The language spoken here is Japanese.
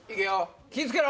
気ぃ付けろ！